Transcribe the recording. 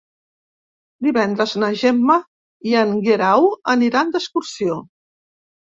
Divendres na Gemma i en Guerau aniran d'excursió.